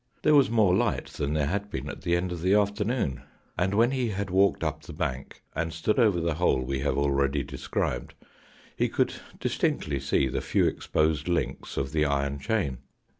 There was more light than there had been at the end of the afternoon, and when he had walked up the bank, and stood over the hole we have already described, he could distinctly see the few exposed links of the iron chain.